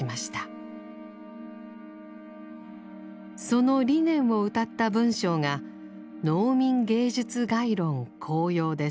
その理念をうたった文章が「農民芸術概論綱要」です。